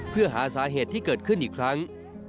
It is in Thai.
เพื่อหาสาเหตุที่เกิดขึ้นอีกครั้ง